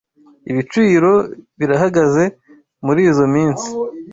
Ibiciro birahagaze murizoi minsi.